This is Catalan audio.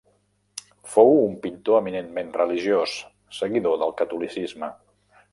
Fou un pintor eminentment religiós, seguidor del catolicisme.